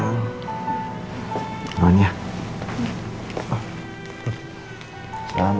assalamu'alaikum warahmatullahi wabarakatuh